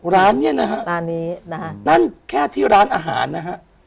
ร้านเนี่ยนะฮะร้านนี้นะฮะนั่นแค่ที่ร้านอาหารนะฮะ